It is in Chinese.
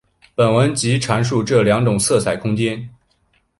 本文即阐述这两种色彩空间。